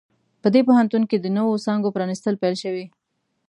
په دې پوهنتون کې د نوو څانګو پرانیستل پیل شوي